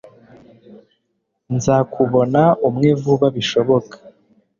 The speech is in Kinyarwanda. nzakubona umwe vuba bishoboka